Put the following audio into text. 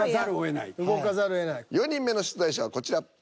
４人目の出題者はこちら。